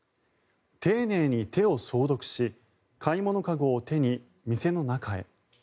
丁寧に手を消毒し買い物籠を手に、店の中へ。